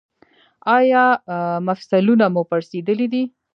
ایا مفصلونه مو پړسیدلي دي؟